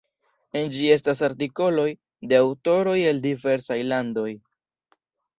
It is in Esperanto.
En ĝi estas artikoloj de aŭtoroj el diversaj landoj.